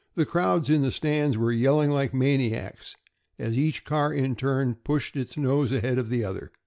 The crowds in the stands were yelling like maniacs, as each car in turn pushed its nose ahead of the other.